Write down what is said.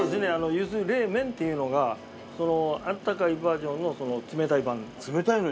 ゆず冷麺っていうのがあったかいバージョンのその冷たい版。